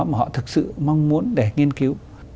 mà họ thực sự mong muốn để nghiên cứu